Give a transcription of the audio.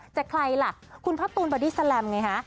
ใครล่ะคุณพ่อตูนบอดี้แลมไงฮะ